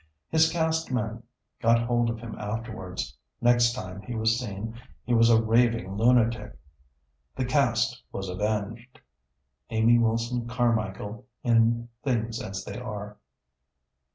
His Caste men got hold of him afterwards; next time he was seen he was a raving lunatic. The Caste was avenged! (Amy Wilson Carmichael in "Things as They Are.")